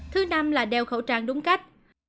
thứ năm là đeo khẩu trang đúng cách